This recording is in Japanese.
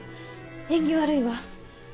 縁起悪いわ。